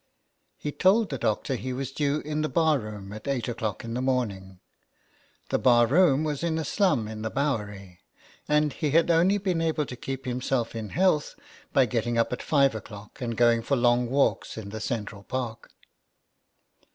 He told the doctor he was due in the bar room at eight o'clock in the morning ; the bar room was in a slum in the Bowery ; and he had only been able to keep himself in health by getting up at five o'clock and going for long walks in the Central Park.